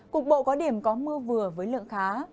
cục bộ có điểm có mưa vừa với lượng khá